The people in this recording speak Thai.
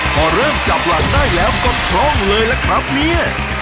พอเริ่มจับหลังได้แล้วก็คล่องเลยล่ะครับเนี่ย